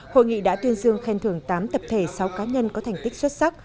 hội nghị đã tuyên dương khen thưởng tám tập thể sáu cá nhân có thành tích xuất sắc